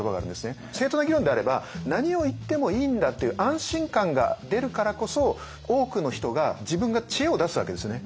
正当な議論であれば何を言ってもいいんだっていう安心感が出るからこそ多くの人が自分が知恵を出すわけですね。